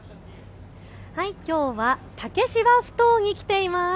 きょうは竹芝ふ頭に来ています。